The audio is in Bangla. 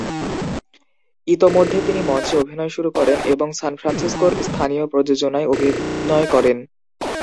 ইতোমধ্যে তিনি মঞ্চে অভিনয় শুরু করেন এবং সান ফ্রান্সিসকোর স্থানীয় প্রযোজনায় অভিনয় করেন।